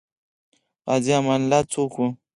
غازي امان الله څوک وو؟